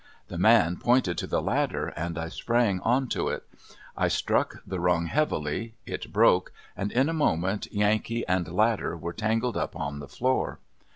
The man pointed to the ladder, and I sprang onto it. I struck the rung heavily; it broke, and in a moment Yankee and ladder were tangled up on the floor.